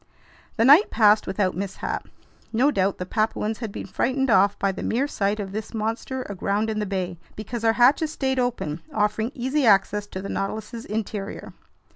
The night passed without mishap. No doubt the Papuans had been frightened off by the mere sight of this monster aground in the bay, because our hatches stayed open, offering easy access to the Nautilus's interior.